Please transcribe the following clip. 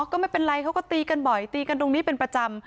ก็ไม่เป็นไรเขาก็ตีกันบ่อยตีกันตรงนี้เป็นประจำ